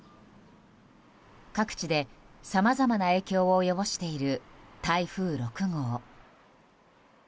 各地でさまざまな影響を及ぼしている台風６号。